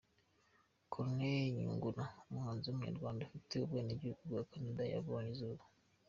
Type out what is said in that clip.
Corneille Nyungura, umuhanzi w’umunyarwanda ufite n’ubwenegihugu bwa Canada yabonye izuba.